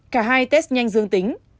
cả hai test nhanh dương tính